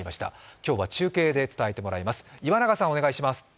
今日は中継で伝えてもらいます。